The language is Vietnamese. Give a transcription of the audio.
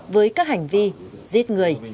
với các hành vi giết người